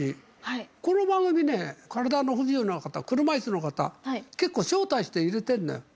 この番組ね、体の不自由な方、車いすの方、結構招待して入れてんのよ。